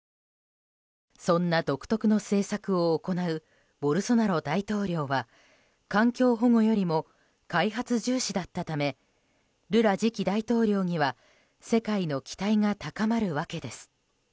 そんな独特の政策を行うボルソナロ大統領は環境保護よりも開発重視だったためルラ次期大統領には世界の期待が高まるわけです。